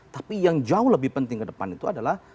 tapi yang jauh lebih penting ke depan itu adalah